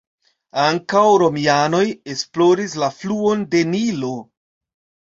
Ankaŭ romianoj esploris la fluon de Nilo.